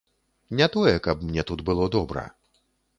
Не тое каб мне тут было добра.